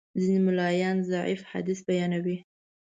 ځینې ملایان ضعیف حدیث بیانوي.